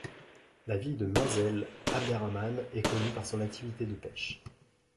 La ville de Menzel Abderrahmane est connue par son activité de pêche.